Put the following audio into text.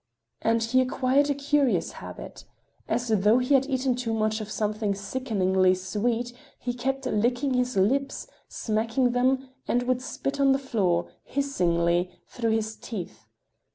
And he acquired a curious habit; as though he had eaten too much of something sickeningly sweet, he kept licking his lips, smacking them, and would spit on the floor, hissingly, through his teeth.